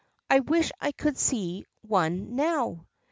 I wish I could see one now."